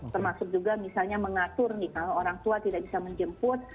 termasuk juga misalnya mengatur nih kalau orang tua tidak bisa menjemput